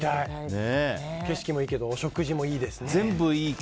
景色もいいけどお食事もいいですね。